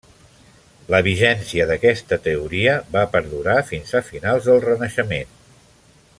La vigència d'aquesta teoria va perdurar fins a finals del Renaixement.